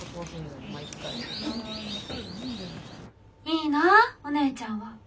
「いいなぁお姉ちゃんは。